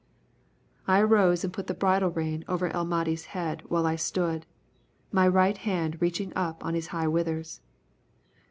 I arose and put the bridle rein over El Mahdi's head while I stood, my right hand reaching up on his high withers.